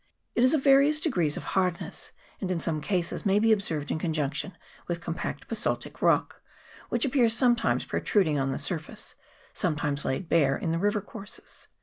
It is of various degrees of hardness, and in most cases may be observed in conjunction with compact ba saltic rock, which appears sometimes protruding on the surface, sometimes laid bare in the river courses.